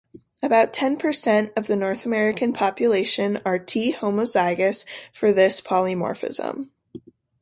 About ten percent of the North American population are T-homozygous for this polymorphism.